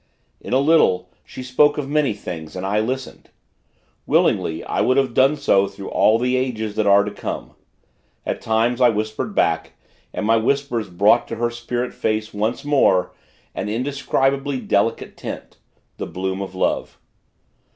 In a little, she spoke of many things, and I listened. Willingly, would I have done so through all the ages that are to come. At times, I whispered back, and my whispers brought to her spirit face, once more, an indescribably delicate tint the bloom of love.